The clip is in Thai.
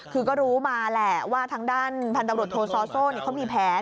คือก็รู้มาแหละว่าทางด้านพันธบรวจโทซอโซ่เขามีแผน